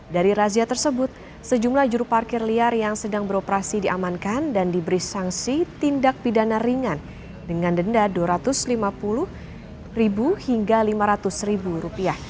dari razia tersebut sejumlah juru parkir liar yang sedang beroperasi diamankan dan diberi sanksi tindak pidana ringan dengan denda rp dua ratus lima puluh hingga rp lima ratus